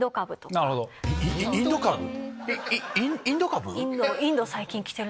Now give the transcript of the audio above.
イインド株？